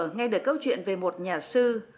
nghe được câu chuyện về một nhà sư